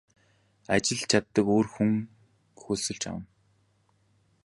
Ажиллаж чаддаг өөр хүн хөлсөлж авна.